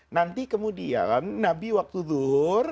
nanti kemudian nabi waktu duhur